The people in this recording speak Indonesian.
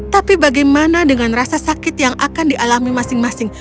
tapi bagaimana dengan rasa sakit yang akan dialami masing masing